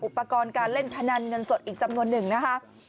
อุปกรณ์การเล่นพนันเงินสดอีกจำนวนหนึ่งนะคะ